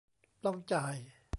ต้องจ่าย